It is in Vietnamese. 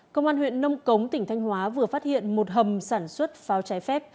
công an huyện nông cống tỉnh thanh hóa vừa phát hiện một hầm sản xuất pháo trái phép